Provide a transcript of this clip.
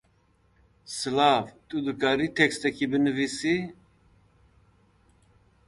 It coincides with an exhibition at the Lazarides gallery in London.